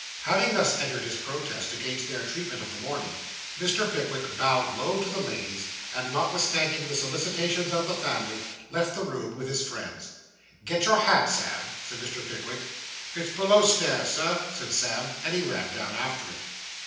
Having thus entered his protest against their treatment of the morning, Mr. Pickwick bowed low to the ladies, and notwithstanding the solicitations of the family, left the room with his friends. 'Get your hat, Sam,' said Mr. Pickwick. 'It's below stairs, Sir,' said Sam, and he ran down after it.